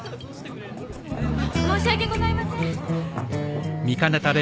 申し訳ございません。